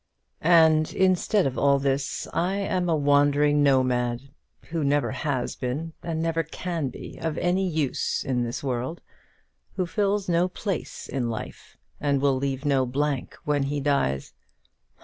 "And, instead of all this, I am a wandering nomad, who never has been, and never can be, of any use in this world; who fills no place in life, and will leave no blank when he dies.